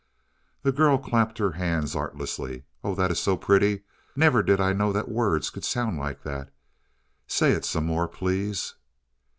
The girl clapped her hands artlessly. "Oh, that is so pretty. Never did I know that words could sound like that. Say it some more, please."